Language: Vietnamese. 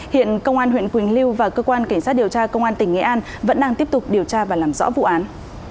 hiện công an huyện quỳnh lưu và cơ quan cảnh sát điều tra công an tỉnh nghệ an vẫn đang tiếp tục điều tra và làm rõ vụ án